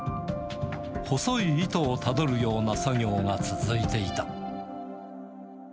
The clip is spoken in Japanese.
細い糸をたどるような作業が続いていた。